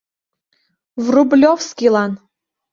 ВРУБЛЁВСКИЙЛАН